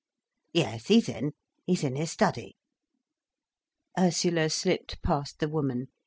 "Yes, he's in. He's in his study." Ursula slipped past the woman.